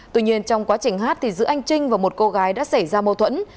tuy nhiên trong quá trình hát giữa anh trinh và một cô gái đã xảy ra mâu thuẫn